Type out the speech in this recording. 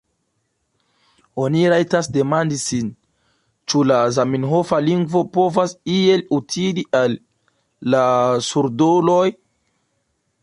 Oni rajtas demandi sin, ĉu la zamenhofa lingvo povas iel utili al la surduloj.